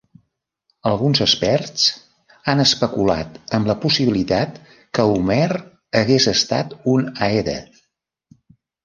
Alguns experts han especulat amb la possibilitat que Homer hagués estat un aede.